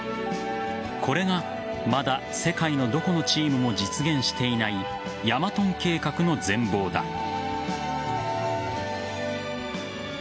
これが、まだ世界のどこのチームも実現していないヤマトン計画の全貌だ。